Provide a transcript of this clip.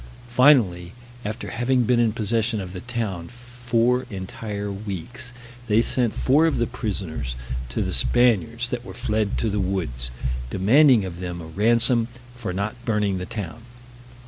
Finally, after having been in possession of the town four entire weeks, they sent four of the prisoners to the Spaniards that were fled to the woods, demanding of them a ransom for not burning the town.